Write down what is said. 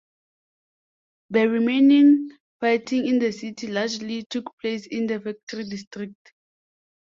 The remaining fighting in the city largely took place in the factory district.